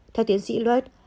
theo tiến sĩ lloyd